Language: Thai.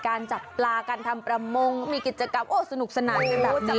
จับปลาการทำประมงมีกิจกรรมโอ้สนุกสนานกันแบบนี้